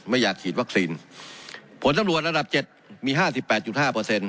ไม่อยากฉีดวัคซีนผลสำรวจระดับเจ็ดมีห้าสิบแปดจุดห้าเปอร์เซ็นต